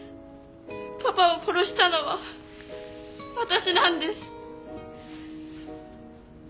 パパを殺したのは私なんです。